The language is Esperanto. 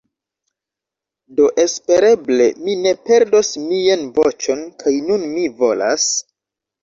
Do espereble mi ne perdos mian voĉon kaj nun mi volas...